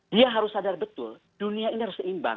dia harus sadar betul dunia ini harus seimbang